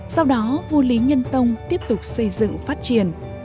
sau đó vua lý nhân tông tiếp tục xây dựng phát triển